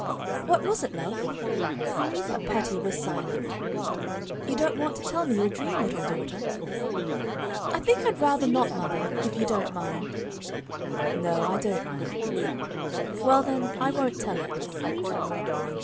"What was it, love?" But Patty was silent. "You don't want to tell me your dream, little daughter?" "I think I'd rather not, mother, if you don't mind." "No, I don't mind." "Well, then, I won't tell it."